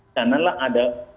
dan nanti lah ada